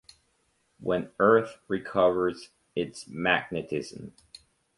When Earth recovers its magnetism.